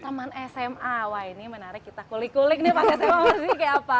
teman sma wah ini menarik kita kulik kulik nih pakai sma kayak apa